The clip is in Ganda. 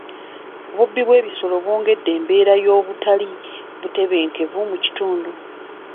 Obubbi bw'ebisolo bwongedde embeera y'obutali butebenkevu mu kitundu.